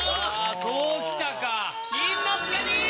そうきたか。